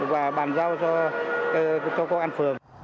và bàn giao cho công an phường